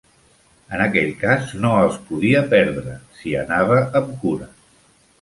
En aquell cas no els podia perdre, si anava amb cura.